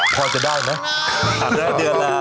พอจะได้ไหม